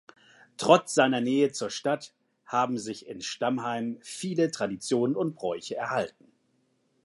Trotz seiner Nähe zur Stadt haben sich in Stammheim viele Traditionen und Bräuche erhalten.